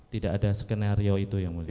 tidak ada skenario itu yang mulia